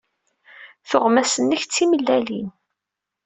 Tuɣmas-nnek d timellalin.